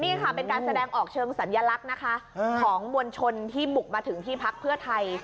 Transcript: นี่ค่ะเป็นการแสดงออกเชิงสัญลักษณ์นะคะของมวลชนที่บุกมาถึงที่พักเพื่อไทย